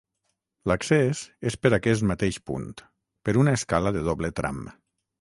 L'accés és per aquest mateix punt, per una escala de doble tram.